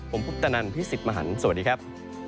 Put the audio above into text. ผมพุทธนันพี่สิทธิ์มหันฯสวัสดีครับ